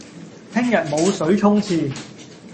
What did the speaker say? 聽日冇水沖廁